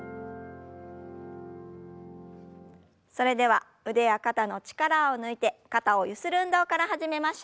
それでは腕や肩の力を抜いて肩をゆする運動から始めましょう。